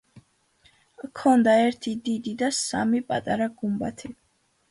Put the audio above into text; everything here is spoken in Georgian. ჰქონდა ერთი დიდი და სამი პატარა გუმბათი.